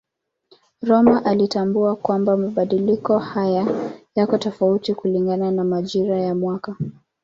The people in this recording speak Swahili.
Rømer alitambua kwamba mabadiliko haya yako tofauti kulingana na majira ya mwaka.